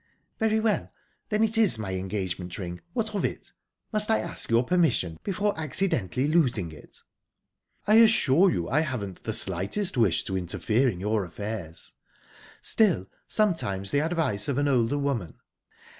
"Very well then it is my engagement ring. What of it? Must I ask your permission before accidentally losing it?" "I assure you I haven't the slightest wish to interfere in your affairs; still sometimes the advice of an older woman..."